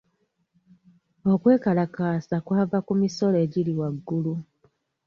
Okwekalakaasa kwava ku misolo egiri waggulu.